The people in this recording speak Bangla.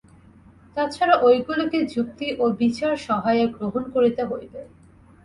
তাছাড়া ঐগুলিকে যুক্তি ও বিচার-সহায়ে গ্রহণ করিতে হইবে।